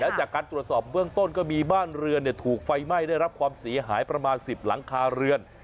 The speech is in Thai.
จากการตรวจสอบเบื้องต้นก็มีบ้านเรือนถูกไฟไหม้ได้รับความเสียหายประมาณ๑๐หลังคาเรือน